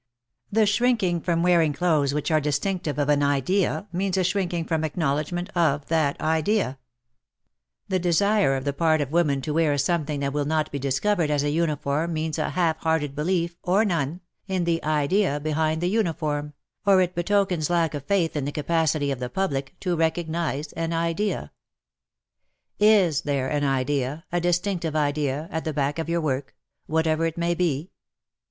The shrinking from wearing clothes which are distinctive of an Idea means a shrinking from acknowledgment of that Idea. The desire on 5 66 WAR AND WOMEN the part of women to wear something that will not be discovered as a uniform means a half hearted belief, or none, in the Idea behind the uniform, or it betokens lack of faith in the capacity of the Public to recognize an Idea. Is there an Idea, a distinctive Idea, at the back of your work — whatever it may be